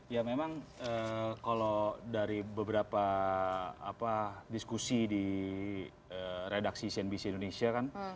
ya memang kalau dari beberapa diskusi di redaksi cnbc indonesia kan